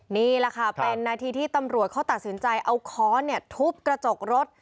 นี่แหละค่ะเป็นนาทีที่ตำรวจเขาตัดสินใจเอาค้อนทุบกระจกรถ